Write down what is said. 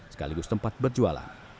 sekaligus tempat berjualan